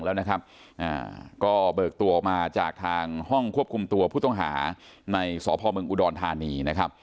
เราก็เบิกตัวมาจากห้องควบคุมตัวผู้ต้องหาในสพเมืองอุดรธานี